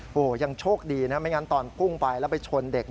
โอ้โหยังโชคดีนะไม่งั้นตอนพุ่งไปแล้วไปชนเด็ก